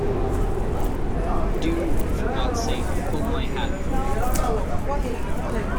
Do, for God's sake, pull my hat forward.